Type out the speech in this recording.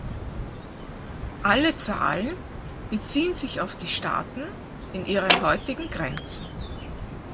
Alle Zahlen beziehen sich auf die Staaten in ihren heutigen Grenzen.